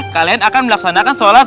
kalian akan melaksanakan sholat